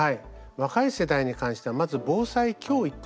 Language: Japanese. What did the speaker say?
若い世代に関してはまず防災教育。